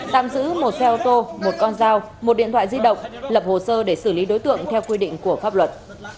tạm giữ một xe ô tô một con dao một điện thoại di động lập hồ sơ để xử lý đối tượng theo quy định của pháp luật